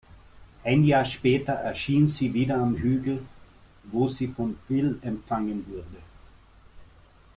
Ein Jahr später erschien sie wieder am Hügel, wo sie von Pwyll empfangen wurde.